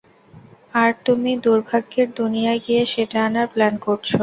আর তুমি দূর্ভাগ্যের দুনিয়ায় গিয়ে সেটা আনার প্ল্যান করছো?